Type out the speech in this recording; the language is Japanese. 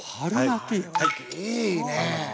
いいねえ！